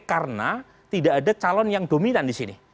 karena tidak ada calon yang dominan disini